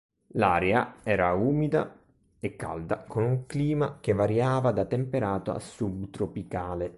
L'area era umida e calda con un clima che variava da temperato a subtropicale.